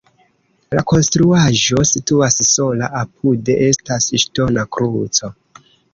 La konstruaĵo situas sola, apude estas ŝtona kruco.